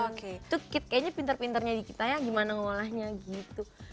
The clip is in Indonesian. itu kayaknya pinter pinternya kita ya gimana ngelolahnya gitu